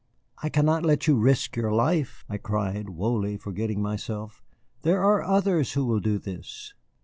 "I cannot let you risk your life," I cried, wholly forgetting myself; "there are others who will do this."